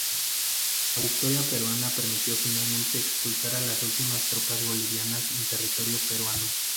La victoria peruana permitió finalmente expulsar a las últimas tropas bolivianas en territorio peruano.